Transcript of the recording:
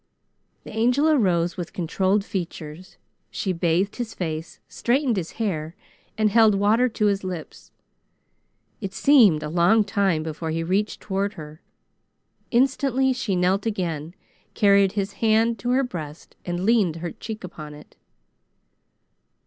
The Angel arose with controlled features. She bathed his face, straightened his hair, and held water to his lips. It seemed a long time before he reached toward her. Instantly she knelt again, carried his hand to her breast, and leaned her cheek upon it.